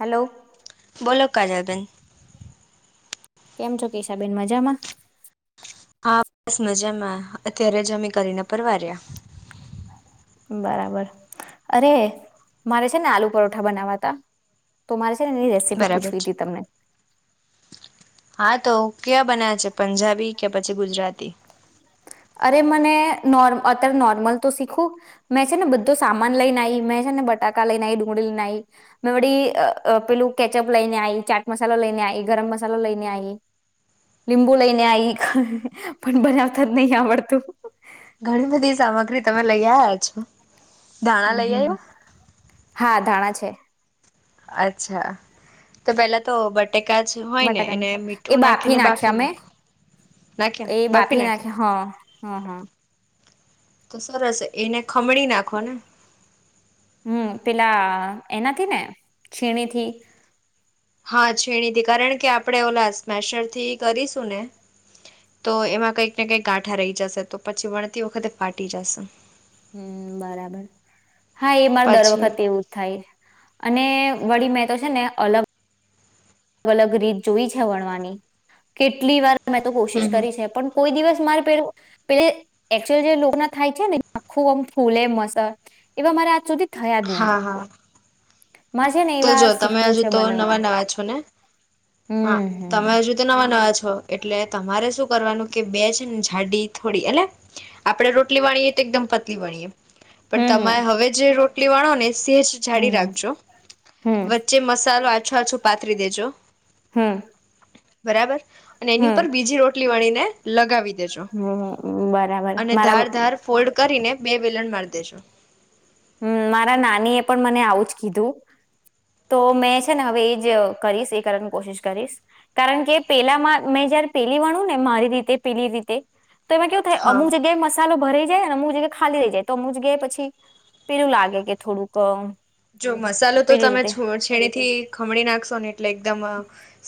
Hello બોલો કાજલ બેન કેમ છો કેસાબેન મજામાં. હા બસ મજામાં અત્યારે જમી કરીને પરવાર્યા. બરાબર અરે મારે છે ને આલુ પરઠા બનાવા ત તો મારે. એની રેસીપી બરાબર પૂછવી છે તી તમને. ક્યા બન્યા છે પંજાબી કે પછી ગુજરાતી. અરે મને નોર અત્યારે નોર્મલ તો શીખું મેં છે ને બધો સામાન લઈને આઈ મેં છે ને બટાકા લઈને આઈ ડુંગળી લઈને આઈ મેં વી પેલું કેચઅપ લઈને આઈ ચાટ મસાાલ લઈને આ ગરમ મસાલો લઈને આઈ લીંબુ લઈને આ પણ બ. નાવતાજ નહી આવડતું. ઘણી બધી સામગ્રી તમે લઈ આ્યા છો. ધાણા હમ્મ લઈ હમ્મ આવ્યા હા ધાણા છે. અચ્છા તો પેલા તો બ. એક કાજ જ હોય ને એને બટાકાના એ મીઠું નાખીને બાફી નાખ્યા મે નાખો નાખ્યા એ બાફી નાખે નાખ્યા. હા હા હા. તો સરસ એને ખમણી નાખો ને. હમ્મ પેલા એનાથી ને ખીણીથી. હા છીણીથી કારણ કે આપણે ઓલા સ્મેશર થી કરીશું ને તો એમાં કઈક ને કંઈક ગાંઠા રહી જશે તો પછી વણતી વખતે ફાટી જશે. હમ્મ બરાબર હા એ મારે દર પછી વખત એવું જ થાય અને વળી મે. તશે ને અલગ. અલગ અલગ રીત જોઈ છે વણવાની કેટલી વાર. મેં તો હમ કોશિશ હમ કરી છે પણ કોઈ દિવસ મારે પેલુ પેલ એકચુ જે લોગ્ન થાય છે ને આખું આમ ફૂલે મસર એવા મારે આજ સુધી. થયા જ નહી હા હા તો જો તમે હજુ તો બનાવતા નવા નવા છો ને. હા હમ તમે હમ હજુ તો નવા નવા. એટલે તમારે શું કરવાનું કે બે છે ને જાડી થોડી એટલે આપડણે રોટલી વાણીએ તો એકદમ પતલી વાણીએ. પણ હમ હમ તમારે હવે જે રો. વણો ને સેજ જાડી હમ રાખજો હમ વચ્ચે મસાલો આછો આછો પાતરી દેજો. હ બરાબર. અને એની ઉપર બીજી રોટલી વણી ને. લગાવી. દેજો હમ બરાબર અને ધાર મારા ધાર ફોલ્ડ કરીને. બે વલણ મારી દેજો. હમ્મ મારા નાની એ પણ મને આવું જ કીધું તો મેં છે ને હવે એ જ કરીશ એ કરવાની કોશિશ કરીશ કારણ કે પેલામાં મેં જયારે પેલી વણું ને મારી રીતે પેલી રીતે. તો એમાં કેવું થાય હા અમુક જગ્યાએ મસાલો. ભરાઈ જાય ને હું જ ખાલી રહી જાય તો મુ જ ગયા પછી. પેલું લાગે કે થોડુંક જો મસાલો તો પેલી તમે રીતે છો છેડી થી ખમણી નાખશો ને. એટલે એકદમ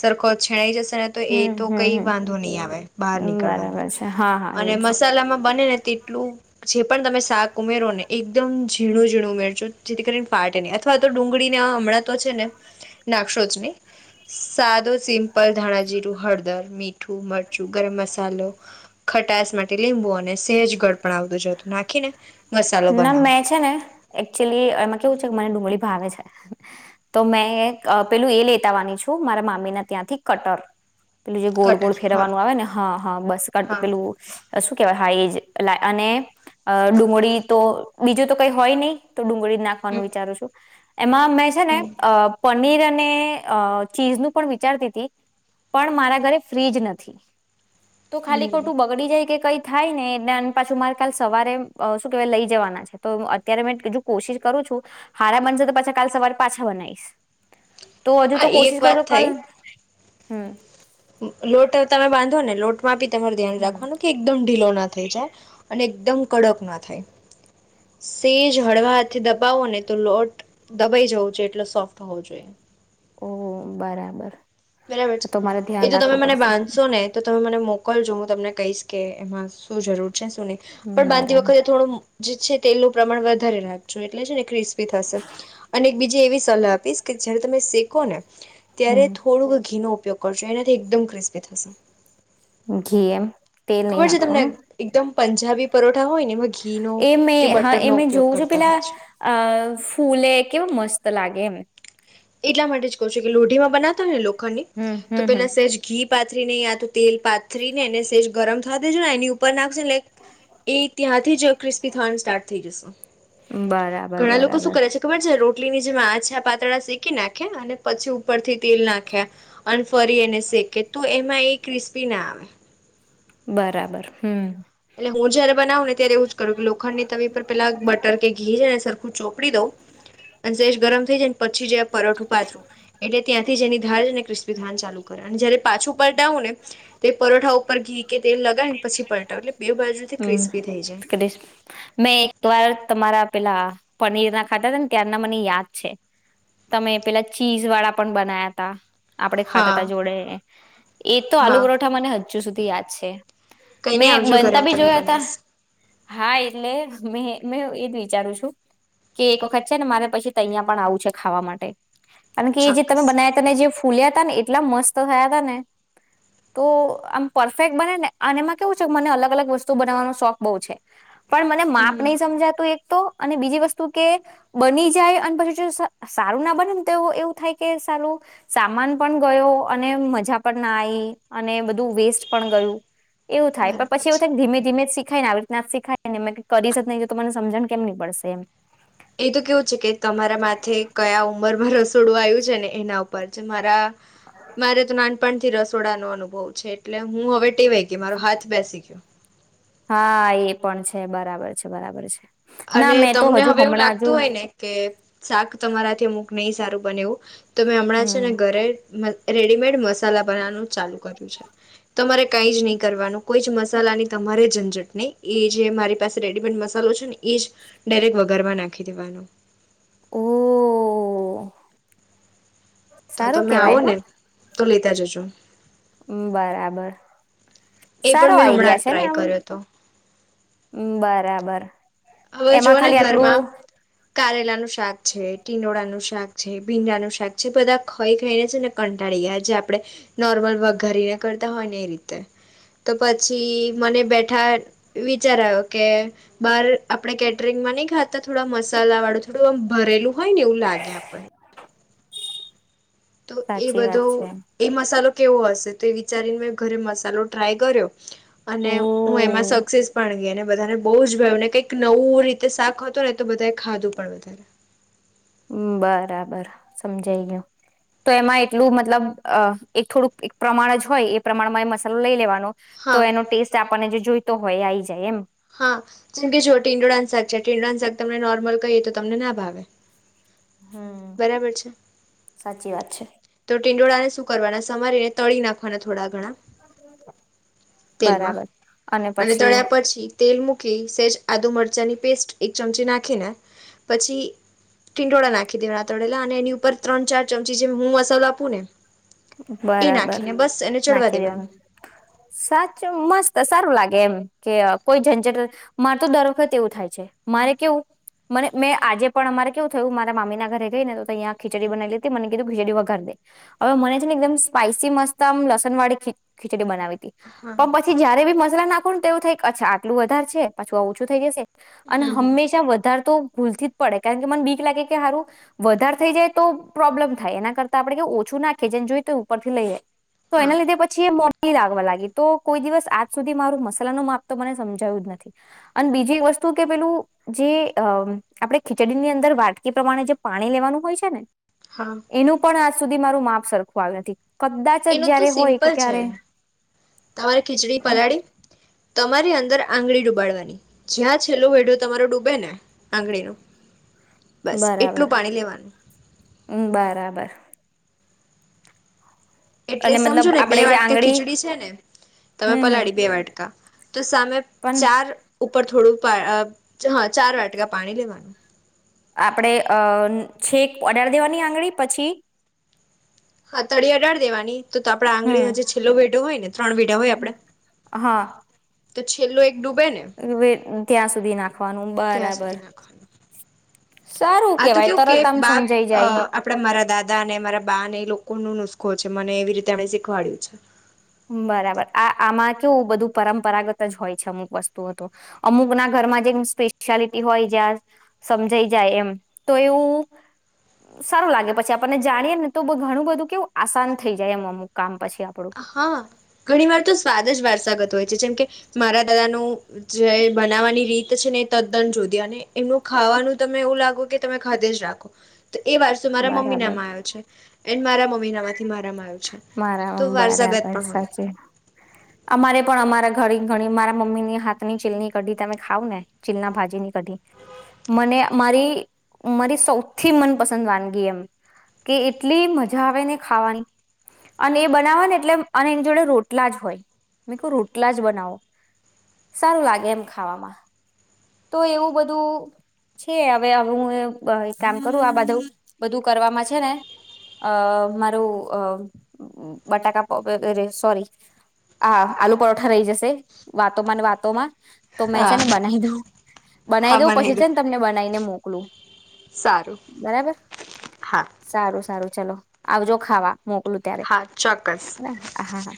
સરખો છેણાઈ જશે. એ હમ તો હમ કઈ હમ વાંધો નહી આવે બહાર હમ, નીકળવાની બરાબર છે હા હા અને એજ મસાલામાં બને ને તેટલું જે પણ તમે શાક ઉમેરો ને એક. એકદમ હમ. ઝીણું ઝીણું મેળજો. જેતી કરી ને ફાટે ની અથવા તો ડુંગળીને હમણાં તો છે ને નાકશો જ નહી સાદો સિમ પલ ધાણા જીરું હળદર મીટ મરચું, ગરમ મસાલો, ખટાસ માટે લીંબુ, અને સેજ ગઢ પણ આવતું જતું નાખ ના મેં છે ને, એકચુલી એમાં. કેવું છે મને ડુંગળી ભાવે છે તો મેં એક પેલું એ લેતાવાની છું. મારા મામી ના ત્યાંથી કટર. પેલું જે ગોળ ગોળ કટર હા ફેરવાનું આવે ને, હા હા બસ કટ પેલું શું કેવાય? હા એજ. લા અને. અ ડુંગળી તો, બીજું તો કંઈ હોય નહી. તો ડુંગળી નાખવાનું વિચારું છું. હા! મેં છે ને, અ પણ પનીર અને અ ચીઝનું પણ વિચારતી હતી, પણ મારા ઘરે ફ્રીજ નથી. તો, ખાલી ખોટું બગડી જાય. કે કઈ થાય ને, એ આને પાછું મારે કાલ સુધી સવારે શું કેવાય લઈ જવાના છે? તો અત્યારે કોશિશ કરું છું. હારા બનશે તો પાછા કાલ સવારે પાછા બનાવીશ. તો હજુ હા તો એ એક કોશિશ વાત કરજો કાલે થઈ હમ. [inaudible] લોટ તમે બાંધો ને, લોટ માટે તમારે ધ્યાન હમ રાખવાનું કે, એકદમ ઢીલો ના થઈ જાય અને એકદમ કડક ના થાય. સેજ હળવા હાથે દબાવો ને, તો લોટ દબાઈ જવું જોઈએ, એટલે સોફ્ટ હોવો જોઈએ. ઓ, બરાબર. ! બરાબર છે. એ તો, તમે મને બાંધશો ને, તો તમે મને મો કોલ કરજો હું તમને કહીશ કે એમાં શું જરૂર [unintelligible] ન હમ પણ બાંધી બરાબર વખતે થોડું જે છે. તેલનું પ્રમાણ વધારે રાખજો, એટલે છે ને ક્રિસ્પી થશે. અને એક બીજી એવી સલાહ આપીશ. કે જયારે તમે શેકો ને ત્યારે હમ. ! થોડુંક ઘી નો ઉપયોગ કરશો એનાથી એકદમ ક્રિસ્પી થશે. ઘી એમ? તેલ નઈ ખબર છે તમને નાખવાનું. એકદમ પંજાબી પરોઠા હોય ને એમાં ઘીનો એ મે કે હા! બટરનો એમે ઉપયોગ જોઉં છું. કરતા પેલા હોય છે અ ફૂલે કેવું મસ્ત લાગે. એમ. એટલા માટે જ કહ છું કે, લોઢીમાં બનાવતા હોય ને લો હમ તો હમ પેલા સેજ ઘી પાથરીને, યાતો તેલ પાથરીને, એને સેજ ગરમ થવા દેજો ને એની ઉપર નાખ એટલે એ ત્યાંથી જ ક્રિસ્પી થવાનું સ્ટાર્ટ થઈ જશે. હમ બરાબર ઘણા લોકો શું બરાબર કરે છે ખબર છે, રોટલીની જેમ આ જ પાતળા શેક નાખે અને પછી ઉપરથી તેલ નાખ્યા અને ફરી એને શેકે તો, એમાં એ ક્રિસ્પી ના આવે. બરાબર, ! હમ. ! એટલે હું જયારે બનાવું ને, ત્યારે એવું જ કરું લોખંડ ની તવી પર પેલા બટર કે ઘી છે ને સરખું ચોપડી દઉં અને સેજ ગરમ થઈ જાય--. પછી જે પરોઠું પાથરું. એટલે ત્યાંથી જેની ધાર ને ક્રિસ્પી ધાન ચાલુ કરે, અને જયારે પાછું પલટાવું ને તે પરોઠા ઉપર ઘી કે તેલ લગાવીને પછી પલટાવું એટલે બે બાજુથી હમ, ક્રિસ્પી થઈ જાય. કરીશ. મેં એક વાર તમારા પેલા પનીર ના ખાતા હતા ને, ત્યારના મને યાદ છે. તમે, પેલા ચીઝ વાળા પણ બનાયા તા. આપડે ખાતા તા હા જોડે એ તો આલુ હા પરોઠા મને. હજુ સુધી યાદ છે. કઈ નઈ મેં આવજો ઘરે બનતા હું બી તમને જોયા તા. બનાવીશ હા એટલે મે મે એ. વિચારું છું કે, એક વખત છે ને મારે પછી ત. પણ આવું છે ખાવા માટે. કારણ કે જે, તમે ચોક્કસ બનાય તને જે. ફૂલ્યા તા ને એટલા મસ્ત થયા તા. ને તો આમ પરફેક્ટ બને ને અને એમાં કેવું છે, મને અલગ અલગ વસ્તુ બનાવવાનો શોખ બહુ છે. પણ, મને માપ હમ નહી સમજાતું એક. તો, અને બીજી વસ્તુ કે, બની જાય અને પછી. સારું ના બને ને તો એવું થાય કે, સારું સામાન પણ ગયો, અને મજા પણ ના આવીઈ અને બધ. વેસ્ટ પણ ગયું એવું થાય. પણ બરાબર પછી એવું છે. થાય ધીમે ધીમે સીખ થાય ને આવી રીતના ના શીખાય ને, એ કરીશ જ નહીં તો મને સમજણ કેમ નહી પડશે એમ. એ તો કેવ છે કે.? તમારા માથે કયા ઉંમર માં રસ? છોડવાયું છે ને એના ઉપર જે, મારા મારે તો નાનપણ થી રસ થોડા નો અનુભવ છે. એટલે હું હવે કે વાય કે મારો હાથ બેસી ગયો. હા એ પણ છે. બરાબર છે! બરાબર છે! ના અને મેં તો તમને હજુ હવે એવું હમણાં હજુ લાગતું હોય ને કે, શાક તમારાથી મક નહી સારું બને એવું. તમે હમણાં છે હમ ને ઘરે રેડીમેઈડ મસ્ત. મસાલા બનાવાનું ચાલુ કર્યું. [unintelligible] તમારે કાંઈ જ નહીં કરવાનું. કોઈ જ મસાલા ની તમારે ઝંઝટ નહી. એ જે મારી પાસે રેડીમેડ મસાલો છે ને. એ જ ડાયરેક્ટ વઘારમાં નાખી દેવાનો. ઓહ. તો તમે આવો ને. તો લેતા જજો બરાબર. એ સારો પણ મેં હમણાં આઈડિયા છે ને ટ્રાય આમ કર્યો હતો. બરાબર. હવે એમાં જોઓ ને ખાલી ઘરમાં આટલું કારેલાનું શાક છે, ટીંડોડાનું શાક છે, ભીંડાનું શાક છે, બધા ખઈ ખઈને છે ને કંટાળી ગ્યા છે જે આપણે નોર્મલ વઘારીને કરતા હોય ને એ રીતે તો પછી મને બેઠા વિચાર આયો કે બાર આપણે કેટરિંગમાં નઈ ખાતા થોડા મસાલા વાળું થોડું આમ ભરેલું હોય ને એવું લાગે આપણ તો એ સાચી વાત બધો છે. એ મસાલો કેવો હશે તો એ વિચારીને મેં ઘરે મસાલો ટ્રાય કર્યો ઓ અને હું એમાં સક્સેસ પણ ગઈ ને બધાને બૌજ ભયુંને કઈક નવું રીતે શાક હતું ને તો બધાએ ખાધું પણ વધારે. [inaudible] ઉમ્મ બરાબર સમજાઈ ગયું. તો એમાં એટલું મતલબ અ એક થોડુંક એક પ્રમાણ જ હોય એ પ્રમાણમાં એ મસાલો લઈ લેવાનો તો હા એનો ટેસ્ટ આપણને જે જોઈ તો હોય આઈ જાય એમ હા જેમકે જો ટીંડોડાનું શાક છે, ટીંડોડાનું શાક તમને નોર્મલ કહીએ તો તમને ના ભાવે હમ્મ, બરાબર છે સાચી વાત છે. તો ટીંડોળા ને શું કરવાના સમારીને તળી નાખવાના થોડા ઘણા તેલમાં બરાબર અને પછી તળ્યા પછી તેલ મૂકી સેજ આદુ મરચાની પેસ્ટ એક ચમચી નાખીને પછી ટીંડોળા નાખી દેવાનાં તળેલા અને એની ઉપર ત્રણ ચાર ચમચી જેમ હું મસ્ સાલા આપુને બરાબર નાખી દેવાનું સાચું મસ્ત સારું લાગે એમ કે કોઈ ઝંઝટ માર તો દર વખત એવું થાય છે મારે કેવું મને મેં આજે પણ અમારે કેવું થયું મારા મામીના ઘરે ગઈ ને તો તૈયા ખીચડી બનાએલી અતી મને કીધું ખીચડી વઘાર દે હવે મને છે ને એકદમ સ્પાઈસી મસ્ત આમ લસણ વાળી ખી-ખીચડી બનાવી તો હા પણ પછી જયારે બી મસાલા નાખ પણ તેવું થાય અછા આટલુ વધાર છે પાછું આ ઓછું થઈ જશે અને હમ હમ હંમેશા વધારે તો ભૂલથી જ પડે કાયણકે મને બીક લાગે કે હારુ વધારે થઈ જાય તો પ્રોબ્લેમ થાય એના કરતા આપણે ઓછું નાખ કે જેન જોય તો ઉપરથી લઈલે. તો હા એના લીધે પછી એ મો [unintelligible] લાગવા લાગી તો કોઈ દિવસ આજ સુધી મારું મસાલા નું માપ તો મને સમજાયું જ નથી અને બીજી એક વસ્તુ કે પેલું જે અ આપડે ખીચડીની અંદર વાટકી પ્રમાણે જે પાણી લેવાનું હોય છે ને હા એનું પણ આજ સુધી મારુ માપ સરખું આયુ નથી. કદાચ જ એનું તો જયારે હોય કે સિમ્પલ છે. ક્યારે તમારે ખીચડી ઉમ, પલાળી તમારી અંદર આંગળી ડૂબાડવાની જ્યાં છેલ્લો વૈડો તમારો ડૂબે ને આંગળીનો બસ એટલું બરાબર, પાણી લેવાનું ઉ બરાબર એટલે સમજો મતલબ ને બે આપડે જે વાટકા આંગળી ખીચડી છે ને તમે હમ હમ પલાળી બે વાટકા તો સામે પણ ચાર ઉપ પર થોડું પર અ ચાર વાટકા પાણી લેવાનું. આપણેે અ ન છેક અડાર દેવાની આંગળી પછી. હા તળિયે અડાળ દેવાની તો તો આપડા હમ આંગળીનો જે છેલ્લો વેઢો હોય ને ત્રણ વેઢા હોય આપણેે હા તો છેલ્લો એક ડૂબે ને ત્યાં સુધી નાખવાનું ત્યાં બરાબર સુધી નાખવાનું સારું આ તો કેવાય કેવું કે તરત આમ બાપ સમજાઈ જાય આપડા મારા દાદા ને મારા બાને એ લોકો ન નુસ્ા છે મને એવી રીતે એમણે શીખવાડ્યું છે. બરાબર આ આમાં કેવું બધું પરંપરાગત જ હોય છે અમુક વસ્તુઓ તો અમુક ના ઘરમાં જે સ્પેશિયાલિટી હોય જ્યાં સમજાઈ જાય એમ તો એવું સારું લાગે પછી આપણને જાણીએમ ને તો ઘણું બધું કેવું આસાન થઈ જાય એમ અમુક કામ પછી આપડું હા ઘણી વાર તો સ્વાદ જ વારસાગત હોય છે જેમ કે મારા દાદાનું જે બનાવવાની રીત છે ને તદ્દન જોદી અને એમનું ખાવાનું તમે એવું લાગો કે તમે ખાધ્ય જ રાખો તો એ વારસું મારા મમ્મી બરાબર માં આવ્યો છે. એન મારા મમ્મી ના થી મારમાં આવ્યું છે. મારા તો વારસાગત બરાબર પણ હોય સાચી અમારે પણ અમારા ઘ ઘણી મારા મમ્મીની હાથની ચીલની કઢી તમે ખાવ ને ચીલના ભાજીની કઢી મને મારી મારી સૌથી મનપસંદ વાનગી એમ કે એટલી મજા આવે ને ખાવાની અને એ બનાવા ને એટલે અને એની જોડે રોટલા જ હોય મે કહ રોટલા જ બનાવો સારું લાગે એમ ખાવામાં તો એવું બધું છે હવે હું કામ કરું આ બધું બધું કરવામાં છે ને અ મારું અ બટાકા સોરી આ આલુ પરોઠા રહી જશે વાતોમાં ન વાતોમાં. તો મેં છે હા ને બનાવી દઉં બનાવી હા દવં પછી દો છે ને તમને બના ને મોકલું. સારું બરાબર સારું સારું. ચલો આવજો ખાવા. મોકલું ત્યારે હા હા.